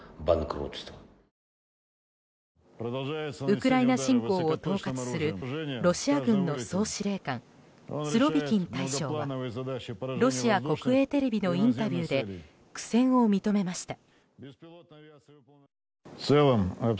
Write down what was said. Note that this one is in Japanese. ウクライナ侵攻を統括するロシア軍の総司令官スロビキン大将はロシア国営テレビのインタビューで苦戦を認めました。